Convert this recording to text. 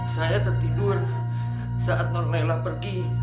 saya tertidur saat nur layla pergi